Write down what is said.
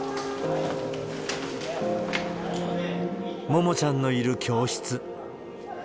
ももちゃんのいる教室。